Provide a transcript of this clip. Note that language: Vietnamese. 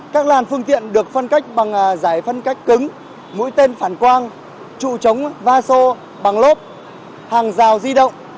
các làn phương tiện được phân cách bằng giải phân cách cứng mũi tên phản quang trụ trống va sô bằng lốp hàng rào di động